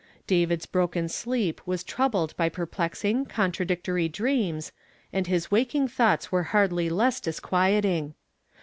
David's brok ^n sleep was troubled by per l»l('xing, contradictory dreams, and his waking thoughts were liardly less disquieting.